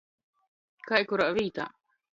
Kai kurā vītā.